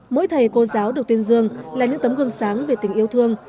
mỗi thầy cô giáo được tuyên dương là những tấm gương sáng về tình yêu thương